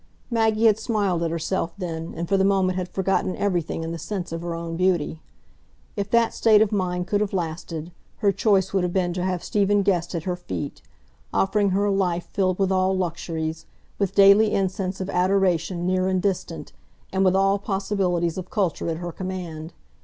Maggie had smiled at herself then, and for the moment had forgotten everything in the sense of her own beauty. If that state of mind could have lasted, her choice would have been to have Stephen Guest at her feet, offering her a life filled with all luxuries, with daily incense of adoration near and distant, and with all possibilities of culture at her command.